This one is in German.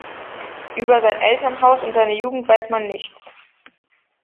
Über sein Elternhaus und seine Jugend weiß man nichts.